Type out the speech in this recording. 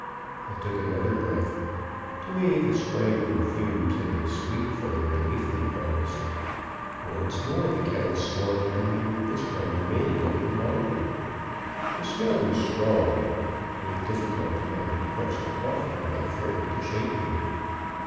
"I took another full breath. To me the strangling fumes had been sweet for the relief they promised. Once more the kettle swung under me, this time remaining a little longer. The smell was strong; with difficulty I repressed a coughing that threatened to shake me.